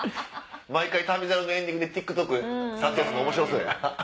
毎回『旅猿』のエンディングでＴｉｋＴｏｋ撮影するのおもしろそう。